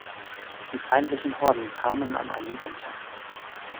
Die feindlichen Horden kamen an einem Sonntag.